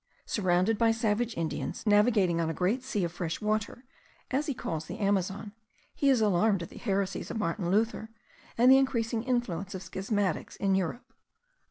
Surrounded by savage Indians, navigating on a great sea of fresh water, as he calls the Amazon, he is alarmed at the heresies of Martin Luther, and the increasing influence of schismatics in Europe.